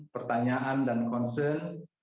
pertanyaan dan concern